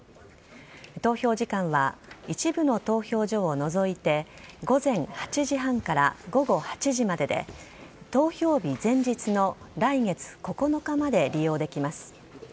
投票時間は一部の投票所を除いて午前８時半から午後８時までで投票日前日の来月９日まで利用できます。